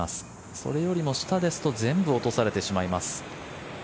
それよりも下ですと全部落とされてしまいます。